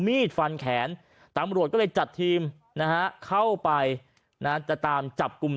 มีดฟันแขนตำรวจก็เลยจัดทีมนะฮะเข้าไปนะจะตามจับกลุ่ม